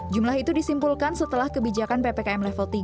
jumlah itu disimpulkan setelah kebijakan ppkm level tiga